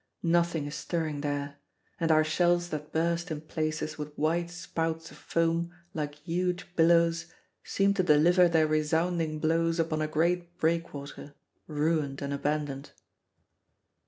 Nothing is stirring there; and our shells that burst in places with wide spouts of foam like huge billows seem to deliver their resounding blows upon a great breakwater, ruined and abandoned.